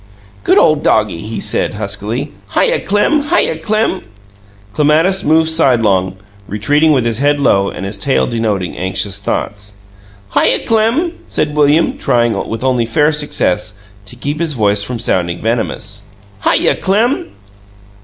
"Good ole doggie," he said, huskily. "Hyuh, Clem! Hyuh, Clem!" Clematis moved sidelong, retreating with his head low and his tail denoting anxious thoughts. "Hyuh, Clem!" said William, trying, with only fair success, to keep his voice from sounding venomous. "Hyuh, Clem!"